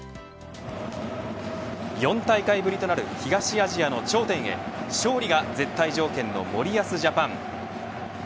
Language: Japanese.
４大会ぶりとなる東アジアの頂点へ勝利が絶対条件の森保ジャパン。